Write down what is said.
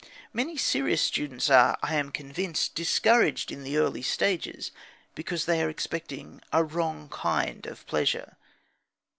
Many serious students are, I am convinced, discouraged in the early stages because they are expecting a wrong kind of pleasure.